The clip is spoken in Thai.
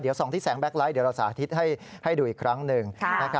เดี๋ยว๒ที่แสงแก๊ไลท์เดี๋ยวเราสาธิตให้ดูอีกครั้งหนึ่ง